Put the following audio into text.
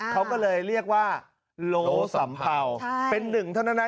เขาก็เลยเรียกว่าโลสัมเภาเป็นหนึ่งเท่านั้นนะ